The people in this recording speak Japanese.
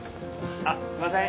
あっすいません